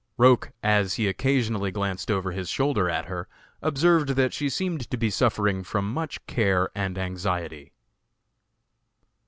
Roch as he occasionally glanced over his shoulder at her, observed that she seemed to be suffering from much care and anxiety.